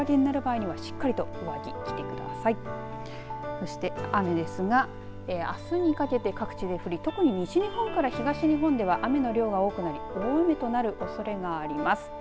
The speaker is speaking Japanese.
そして雨ですがあすにかけて各地で降り特に西日本から東日本では雨の量が多くなり大雨となるおそれがあります。